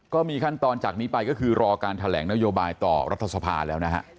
ก็มีขั้นตอนจากนี้ไปก็คือรอการแถลงนโยบายต่อรัฐสภาแล้วนะฮะ